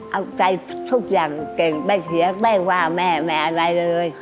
เอาใจทุกอย่างเก่งไม่เสียแป้งว่าแม่ไม่อะไรเลย